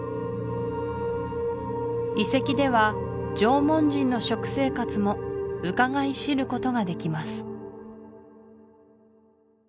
遺跡では縄文人の食生活もうかがい知ることができます